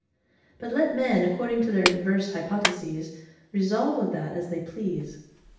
But let men, according to their diverse hypotheses, resolve of that as they please.